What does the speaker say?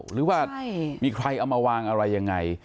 หรือว่ามีใครเอามาวางอะไรยังไง